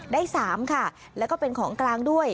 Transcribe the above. ได้๓ค่ะแล้วก็เป็นของกลางด้วย